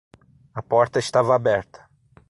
A porta estava aberta.